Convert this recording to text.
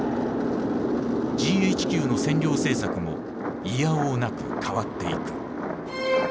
ＧＨＱの占領政策もいやおうなく変わっていく。